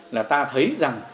là ta thấy rằng